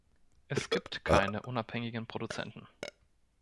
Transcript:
Es gibt keine unabhängigen Produzenten.